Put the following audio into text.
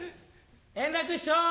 円楽師匠！